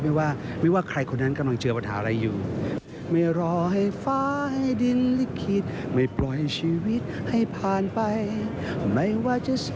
ไม่ว่าใครคนหนันกำลังเจอปัญหาอะไรอยู่